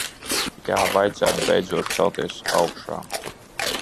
Jā, vajadzētu beidzot celties augšā.